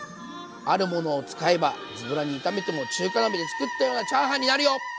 あるものを使えばずぼらに炒めても中華鍋で作ったようなチャーハンになるよ！